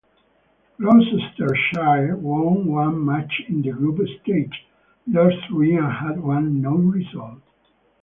Gloucestershire won one match in the group stage, lost three and had one no-result.